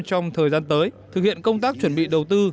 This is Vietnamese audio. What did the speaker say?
trong thời gian tới thực hiện công tác chuẩn bị đầu tư